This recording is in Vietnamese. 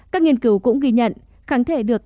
các nghiên cứu cũng ghi nhận kháng thể được